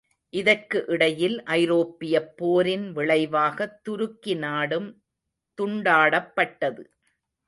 இதற்கு இடையில், ஐரோப்பியப் போரின் விளைவாகத் துருக்கி நாடும் துண்டாடப்பட்டது.